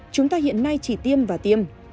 chúng ta hiện nay chỉ tiêm và tiêm